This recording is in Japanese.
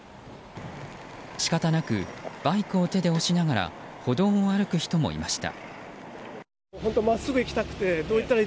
仕方なくバイクを手で押しながら歩道を歩く人もいました。